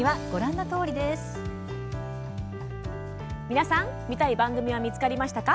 皆さん、見たい番組は見つかりましたか？